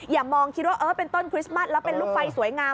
อย่ามองคิดว่าเออเป็นต้นคริสต์มัสแล้วเป็นลูกไฟสวยงาม